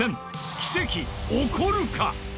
奇跡起こるか？